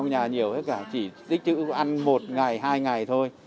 nhưng mà bây giờ mình cũng không có tích chữ ăn một ngày hai ngày thôi